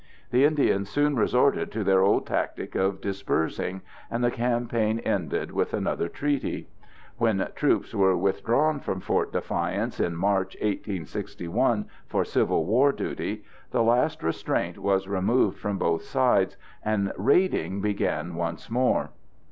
The Indians soon resorted to their old tactic of dispersing, and the campaign ended with another treaty. When troops were withdrawn from Fort Defiance in March 1861 for Civil War duty, the last restraint was removed from both sides, and raiding began once more.